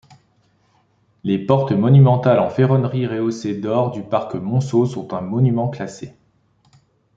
Les portes monumentales en ferronnerie rehaussées d’or du parc Monceau sont un monument classé.